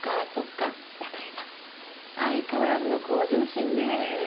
例えば。相変わらずの向上心ね。